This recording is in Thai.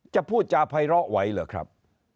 จะพูดจาภัยเลาะไว้เหรอครับ